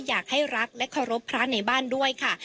อยากให้รักและเคารพพระในบ้านด้วยค่ะ